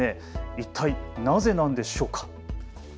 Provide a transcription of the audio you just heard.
一体なぜなんでしょうか。